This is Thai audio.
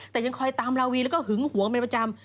แต่ยังคอยตามลาวีแล้วก็หึงหวงเป็นประจำ